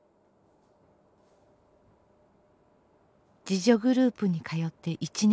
自助グループに通って１年以上。